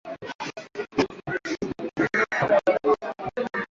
Mualushayi ameongeza kuwa, wanajeshi wawili waliuawa wakati wa mapigano na kundi waasi.